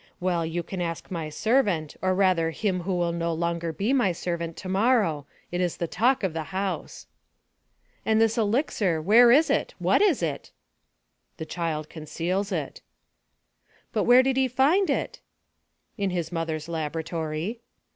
Well, you can ask my servant, or rather him who will no longer be my servant tomorrow, it was the talk of the house." "And this elixir, where is it? what is it?" "The child conceals it." "But where did he find it?" "In his mother's laboratory."